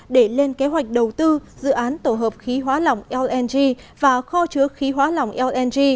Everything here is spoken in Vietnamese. để lên kế hoạch đầu tư dự án tổ hợp khí hóa lỏng lng và kho chứa khí hóa lỏng lng